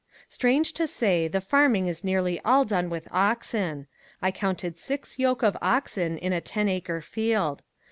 Strange to say the farming is nearly all done with oxen. I counted six yoke of oxen in a ten acre field.